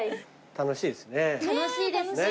楽しいですね。